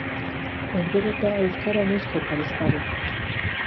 Erdera eta euskara noizko parez pare.